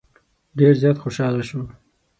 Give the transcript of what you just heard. ډېر زیات خوشاله شو.